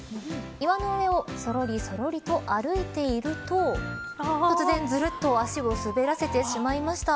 岩の上をそろりそろりと歩いていると突然ずるっと足を滑らせてしまいました。